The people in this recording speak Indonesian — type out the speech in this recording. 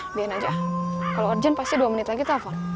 ah biarin aja ah kalo urgent pasti dua menit lagi telfon